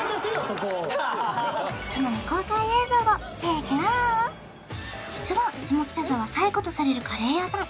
そこその未公開映像をチェーケラー実は下北沢最古とされるカレー屋さん